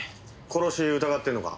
殺し疑ってるのか？